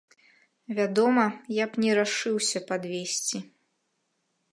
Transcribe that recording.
Вядома, я б не рашыўся падвесці.